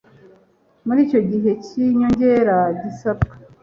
muri icyo gihe k'inyongera gisabwa.